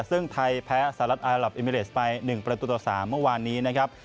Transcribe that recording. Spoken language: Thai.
ซึ่งไทยแพ้สหรัฐอัลลับอิมิเรสไป๑๓เมื่อวานนี้นะครับ